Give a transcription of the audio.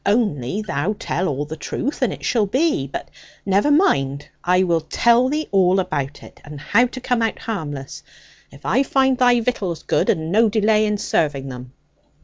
Only thou tell all the truth, and it shall be but never mind, I will tell thee all about it, and how to come out harmless, if I find thy victuals good, and no delay in serving them.'